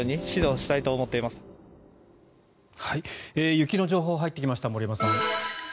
雪の情報が入ってきました森山さん。